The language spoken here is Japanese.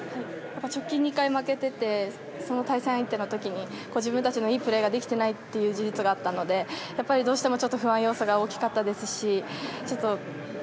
直近２回負けていてその対戦相手の時に自分たちのいいプレーができていないという事実があったのでやっぱりどうしても不安要素が大きかったですし